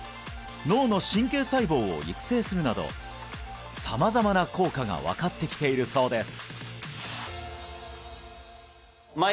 脳の神経細胞を育成するなど様々な効果が分かってきているそうです